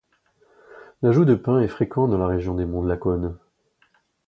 L'ajout de pain est fréquent dans la région des monts de Lacaune.